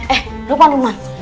eh eh depan rumah